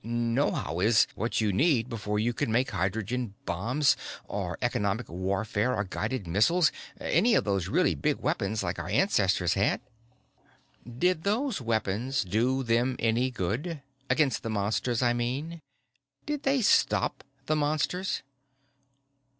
Knowhow is what you need before you can make hydrogen bombs or economic warfare or guided missiles, any of those really big weapons like our ancestors had." "Did those weapons do them any good? Against the Monsters, I mean. Did they stop the Monsters?"